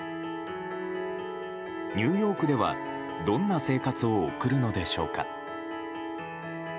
ニューヨークではどんな生活を送るのでしょうか。